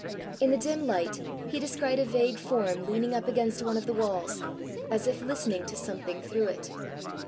In the dim light he descried a vague form leaning up against one of the walls, as if listening to something through it!